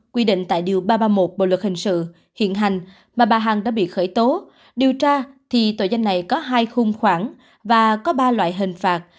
quy định tại điều ba trăm ba mươi một bộ luật hình sự hiện hành mà bà hằng đã bị khởi tố điều tra thì tội danh này có hai khung khoản và có ba loại hình phạt